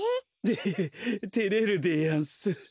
でへへてれるでやんす。